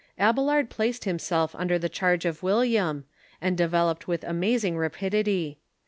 Abelard placed himself under the charge of William, and developed with amazing rapidity.